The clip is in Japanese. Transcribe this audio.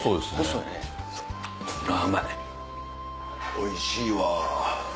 おいしいわ！